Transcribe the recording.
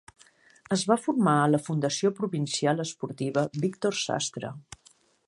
Es va formar a la Fundació Provincial Esportiva Víctor Sastre.